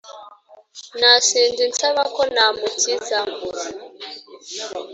nasenze nsaba ko namukiza